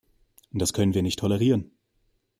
Das können wir nicht tolerieren.